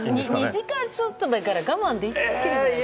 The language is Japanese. ２時間ちょっとだから我慢できるでしょ。